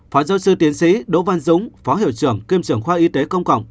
phó giáo sư tiến sĩ đỗ văn dũng phó hiệu trưởng kiêm trưởng khoa y tế công cộng